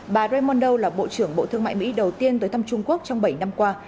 bà raimondo là bộ trưởng bộ thương mại mỹ đầu tiên tới thăm trung quốc trong bảy năm qua